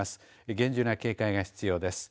厳重な警戒が必要です。